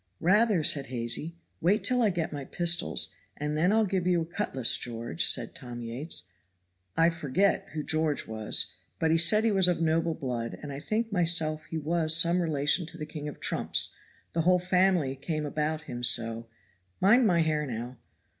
'Rather,' said Hazy. 'Wait till I get my pistols, and I'll give you a cutlass, George,' says Tom Yates. I forget who George was; but he said he was of noble blood, and I think myself he was some relation to the King of trumps, the whole family came about him so mind my hair now.